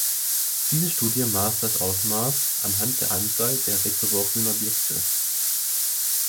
Diese Studie maß das Ausmaß anhand der Anzahl der weggeworfenen Objekte.